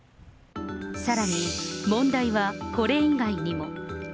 さらに問題はこれ以外にも。